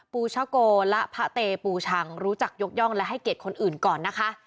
ปูชะโกและพระเตปูชังรู้จักยกย่องและให้เกียรติคนอื่นก่อนนะคะ